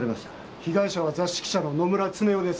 被害者は雑誌記者の野村恒雄です。